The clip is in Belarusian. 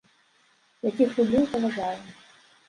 Якіх люблю і паважаю.